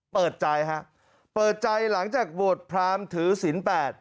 เปิดใจครับเปิดใจหลังจากโบร์ดพร้ามถือสิน๘